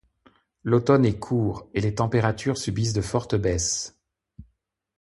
L'Automne est court et les températures subissent de fortes baisses.